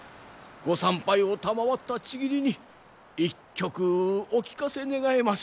ご参拝を賜った契りに一曲お聴かせ願えませんか。